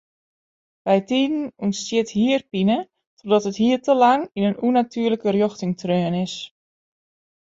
Bytiden ûntstiet hierpine trochdat it hier te lang yn in ûnnatuerlike rjochting treaun is.